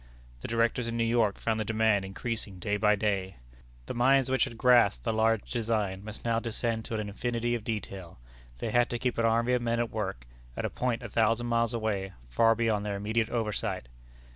The directors in New York found the demand increasing day by day. The minds which had grasped the large design must now descend to an infinity of detail. They had to keep an army of men at work, at a point a thousand miles away, far beyond their immediate oversight.